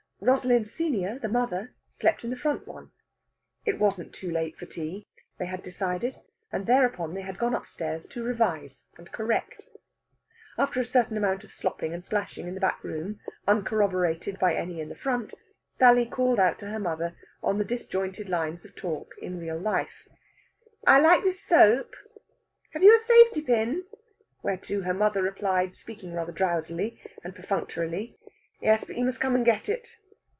Rosalind senior, the mother, slept in the front one. It wasn't too late for tea, they had decided, and thereupon they had gone upstairs to revise and correct. After a certain amount of slopping and splashing in the back room, uncorroborated by any in the front, Sally called out to her mother, on the disjointed lines of talk in real life: "I like this soap! Have you a safety pin?" Whereto her mother replied, speaking rather drowsily and perfunctorily: "Yes, but you must come and get it."